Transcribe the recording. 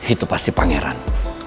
itu pasti pangeran